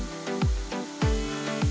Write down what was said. agak amat gerak